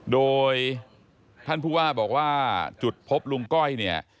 โดยท่านผู้ว่าบอกว่าจุดพบลุงก้อยเนี่ย